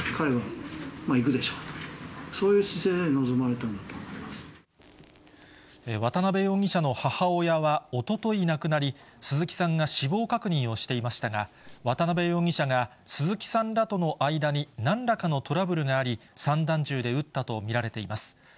渡辺容疑者の母親はおととい亡くなり、鈴木さんが死亡確認をしていましたが、渡辺容疑者が鈴木さんらとの間になんらかのトラブルがあり、散弾銃で撃ったと見られています。